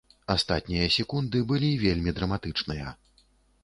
Астатнія секунды былі вельмі драматычныя.